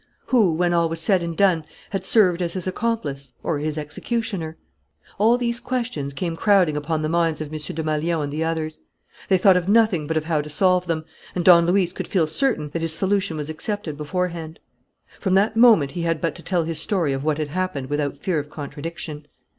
Who, when all was said and done, had served as his accomplice or his executioner? All these questions came crowding upon the minds of M. Desmalions and the others. They thought of nothing but of how to solve them, and Don Luis could feel certain that his solution was accepted beforehand. From that moment he had but to tell his story of what had happened without fear of contradiction.